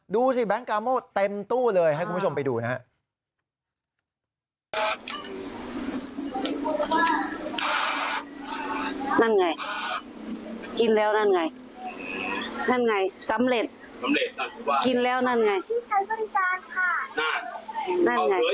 แบงค์กาโมเต็มตู้เลยให้คุณผู้ชมไปดูนะฮะ